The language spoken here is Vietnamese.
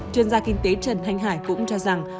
chuyên gia kinh tế trần thanh hải cũng cho rằng